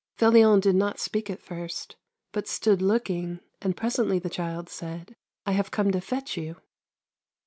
Felion did not speak at first, but stood looking, and presently the child said :" I have come to fetch you."